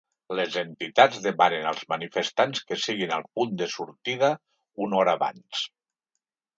Les entitats demanen als manifestants que siguin al punt de sortida una hora abans.